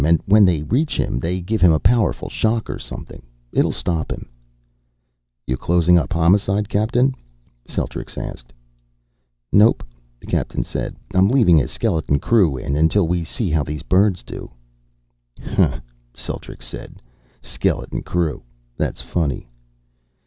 And when they reach him, they give him a powerful shock or something. It'll stop him." "You closing up Homicide, Captain?" Celtrics asked. "Nope," the captain said. "I'm leaving a skeleton crew in until we see how these birds do." "Hah," Celtrics said. "Skeleton crew. That's funny."